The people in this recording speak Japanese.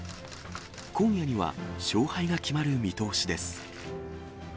今夜には勝敗が決まる見通しです。